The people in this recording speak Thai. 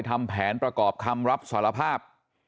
ทำแผนประกอบคำรับสารภาพ